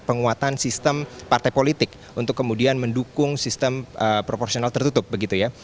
penguatan sistem partai politik untuk kemudian mendukung sistem proporsional tertutup begitu ya